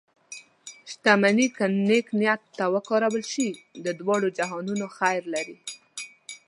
شتمني که نیک نیت ته وکارول شي، د دواړو جهانونو خیر لري.